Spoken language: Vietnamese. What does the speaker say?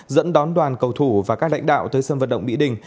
dẫn đón đoàn cầu thủ và các lãnh đạo tới sân vận động mỹ đình